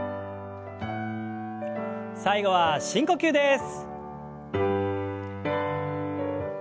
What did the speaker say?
最後は深呼吸です。